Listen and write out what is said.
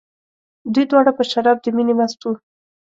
دوی دواړه په شراب د مینې مست وو.